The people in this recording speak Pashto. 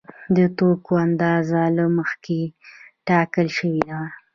د توکو اندازه له مخکې ټاکل شوې وه